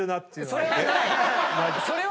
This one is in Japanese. それはない！